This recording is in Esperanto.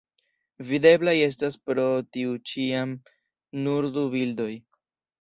Videblaj estas pro tio ĉiam nur du bildoj.